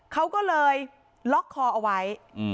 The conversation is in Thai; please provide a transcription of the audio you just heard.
เขาก็เลยล็อกคอเอาไว้